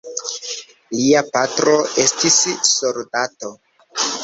Lia patro estis soldato.